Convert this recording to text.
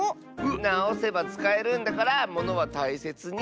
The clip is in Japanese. なおせばつかえるんだからものはたいせつに。